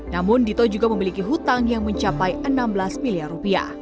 namun dito juga memiliki hutang yang mencapai rp enam belas miliar rupiah